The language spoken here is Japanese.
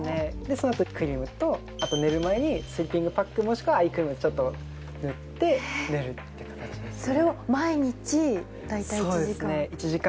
そのあとクリームとあと寝る前にスリーピングパックもしくはアイクリームをちょっと塗って寝るって形ですね大体１時間？